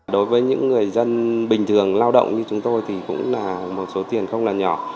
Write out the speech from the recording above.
đối với những người dân bình thường lao động như chúng tôi thì cũng là một số tiền không là nhỏ